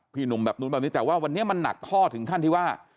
พี่หนุ่มแบบนู้นแบบนี้แต่ว่าวันนี้มันหนักข้อถึงขั้นที่ว่า